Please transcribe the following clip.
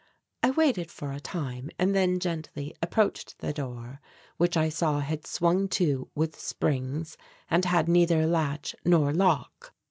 I waited for a time and then gently approached the door, which I saw had swung to with springs and had neither latch nor lock.